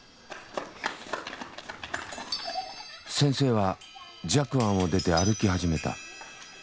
先生は寂庵を出て歩き始めた。